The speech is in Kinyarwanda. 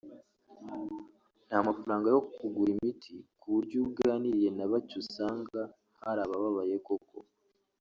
nta mafaranga yo kugura imiti ku buryo iyo uganiriye na bake usanga hari abababaye koko